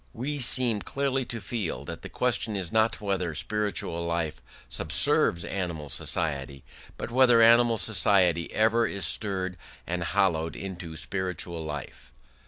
We seem clearly to feel that the question is not whether spiritual life subserves animal society, but whether animal society ever is stirred and hallowed into spiritual life.